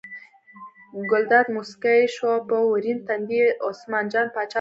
ګلداد موسکی شو او په ورین تندي یې عثمان جان پاچا ته وویل.